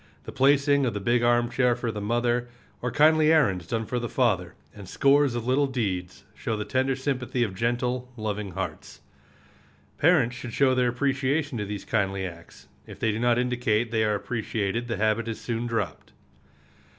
The placing of the big arm chair for the mother, or kindly errands done for father, and scores of little deeds, show the tender sympathy of gentle, loving hearts. Parents should show their appreciation of these kindly acts. If they do not indicate that they are appreciated the habit is soon dropped.